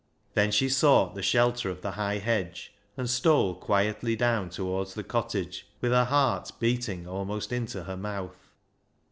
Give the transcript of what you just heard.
Then she sought the shelter of the high hedge, and stole quietly down towards the cottage with her heart beating almost into her mouth.